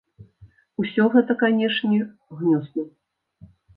Усё гэта, канечне, гнюсна.